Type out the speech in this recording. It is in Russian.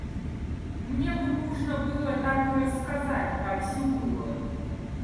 Мне бы нужно было так и рассказать, как всё было.